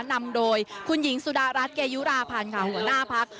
นำโดยคุณหญิงสุดารัฐเกยุราพันธ์ค่ะหัวหน้าพัก